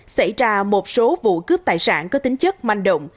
xảy ra một số vụ cướp tài sản có tính chất manh động